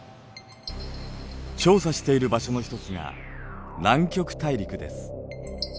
調査している場所の一つが南極大陸です。